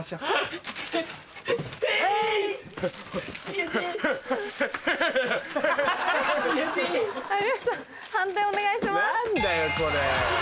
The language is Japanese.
判定お願いします。